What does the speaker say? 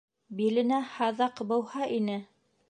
Биленә һаҙаҡ быуһа ине